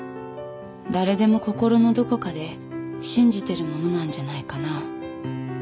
誰でも心のどこかで信じてるものなんじゃないかな。